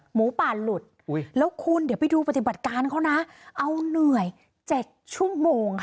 หมูป่าหลุดแล้วคุณเดี๋ยวไปดูปฏิบัติการเขานะเอาเหนื่อย๗ชั่วโมงค่ะ